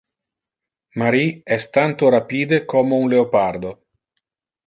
Marie es tanto rapide como un leopardo.